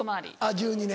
１２年。